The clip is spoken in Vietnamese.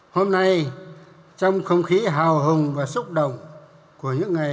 hôm nay trong không khí hào hùng và xúc động của những ngày